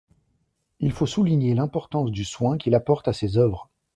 Il faut souligner l'importance du soin qu'il apporte à ses œuvres.